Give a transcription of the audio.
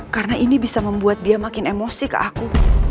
karena ini bisa membuat dia makin emosi ke aku